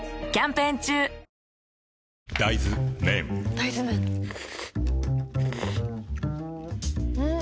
大豆麺ん？